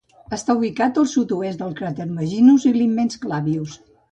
Està ubicat al sud-sud-oest del cràter Maginus i l'immens Clavius.